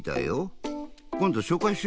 こんどしょうかいしようか？